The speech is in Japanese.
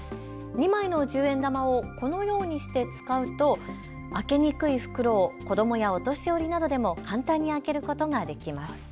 ２枚の十円玉をこのようにして使うと開けにくい袋を子どもやお年寄りなどでも簡単に開けることができます。